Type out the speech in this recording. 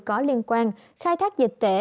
có liên quan khai thác dịch tễ